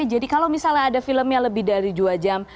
jadi kalau misalnya ada film yang lebih dari dua jam